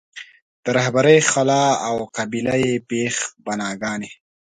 د رهبرۍ خلا او قبیله یي بېخ بناګانې.